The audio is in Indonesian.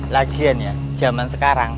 lagian ya jaman sekarang